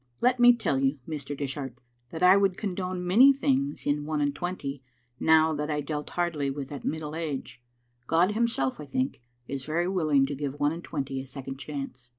Let me tell you, Mr. Dishart, that I would condone many things in one and twenty now that I dealt hardly with at middle age. God Himself, I think, is very willing to give one and twenty a second chance.